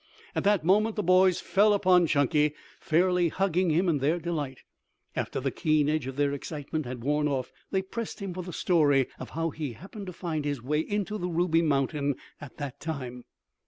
At that moment the boys fell upon Chunky, fairly hugging him in their delight. After the keen edge of their excitement had worn off, they pressed him for the story of how he had happened to find his way into the Ruby Mountain at that time.